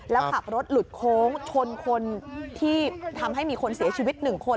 แล้วขับรถหลุดโค้งชนคนที่ทำให้มีคนเสียชีวิต๑คน